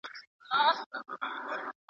آیا لوړ غرونه تر ټیټو غرونو سړه هوا لري؟